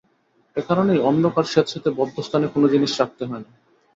এ কারণেই অন্ধকার, স্যাঁতস্যাঁতে, বদ্ধ স্থানে কোনো জিনিস রাখতে হয় না।